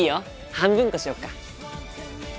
半分こしよっか。